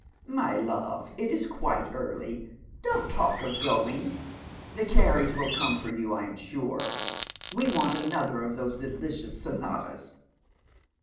" My love, it is quite early ; don't talk of going ; the carriage will come for you, I am sure. We want another of those deli cious sonatas.